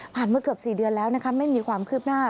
มาเกือบ๔เดือนแล้วนะคะไม่มีความคืบหน้า